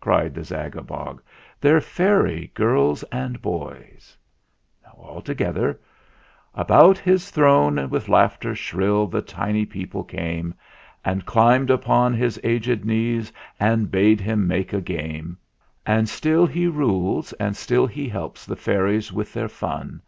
cried the Zagabog; "They're fairy girls and boys !" x. All together: About his throne with laughter shrill the tiny people came And climbed upon his aged knees and bade him make a game. And still he rules and still he helps the fairies with their fun.